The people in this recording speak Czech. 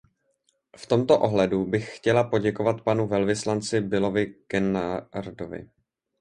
V tomto ohledu bych chtěla poděkovat panu velvyslanci Billovi Kennardovi.